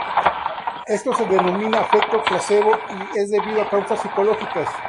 Esto se denomina efecto placebo y es debido a causas psicológicas.